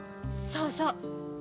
そうそう！